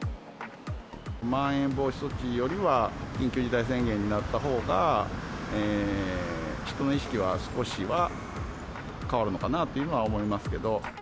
まん延防止措置よりは、緊急事態宣言になったほうが、人の意識は少しは変わるのかなというのは思いますけど。